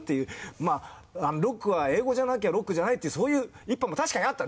まあロックは英語じゃなきゃロックじゃないっていうそういう一派も確かにあった。